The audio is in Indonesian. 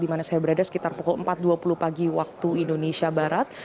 di mana saya berada sekitar pukul empat dua puluh pagi waktu indonesia barat